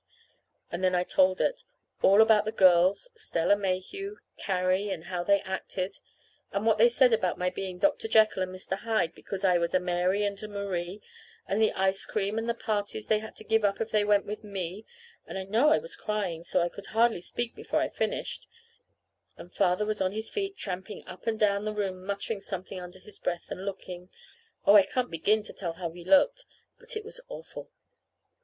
And then I told it all about the girls, Stella Mayhew, Carrie, and how they acted, and what they said about my being Dr. Jekyll and Mr. Hyde because I was a Mary and a Marie, and the ice cream, and the parties they had to give up if they went with me. And I know I was crying so I could hardly speak before I finished; and Father was on his feet tramping up and down the room muttering something under his breath, and looking oh, I can't begin to tell how he looked. But it was awful.